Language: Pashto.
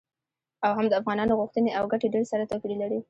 او هم د افغانانو غوښتنې او ګټې ډیر سره توپیر لري.